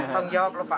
pengen jawab lho pak